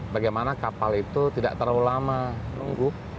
bagaimana kapal itu tidak terlalu lama menunggu